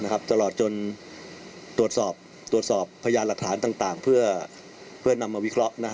ตลอดจนตรวจสอบพยานหลักฐานต่างเพื่อนำมาวิเคราะห์